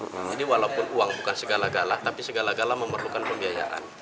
jadi walaupun uang bukan segala gala tapi segala gala memerlukan pembiayaan